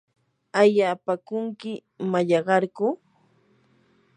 ¿aayapaakunki mallaqarku?